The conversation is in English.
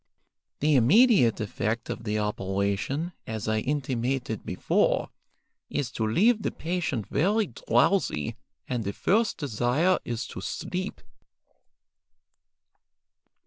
The immediate effect of the operation, as I intimated before, is to leave the patient very drowsy, and the first desire is to sleep."